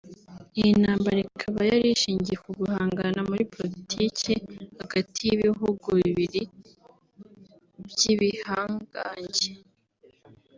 Iyi ntambara ikaba yarishingiye ku guhangana muri politiki hagati y’ibihugu bibiri by’ibihangange